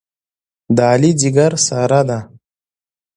د علي ځېګر ساره ده.